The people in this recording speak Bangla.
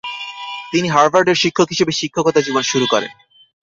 তিনি হার্ভার্ডের শিক্ষক হিসেবে শিক্ষকতা জীবন শুরু করেন।